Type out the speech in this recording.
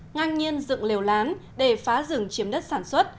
ngang nhiên dựng lều lán để phá rừng chiếm đất sản xuất